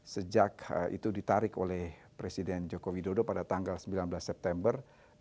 sejak itu ditarik oleh presiden joko widodo pada tanggal sembilan belas september dua ribu dua puluh